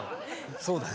そうだね。